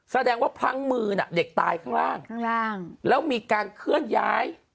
แสดงว่าพลั้งมือน่ะเด็กตายข้างล่างข้างล่างแล้วมีการเคลื่อนย้าย